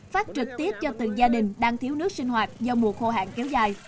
phát trực tiếp cho từng gia đình đang thiếu nước sinh hoạt do mùa khô hạn kéo dài